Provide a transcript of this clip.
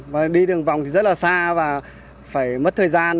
và đi đường vòng thì rất là xa và phải mất thời gian